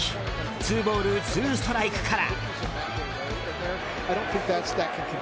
ツーボールツーストライクから。